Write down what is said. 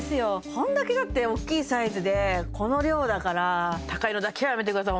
こんだけ大っきいサイズでこの量だから高いのだけはやめてください